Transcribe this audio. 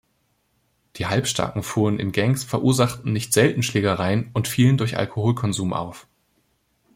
Die Halbstarken fuhren in Gangs, verursachten nicht selten Schlägereien und fielen durch Alkoholkonsum auf.